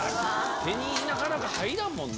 手になかなか入らんもんね。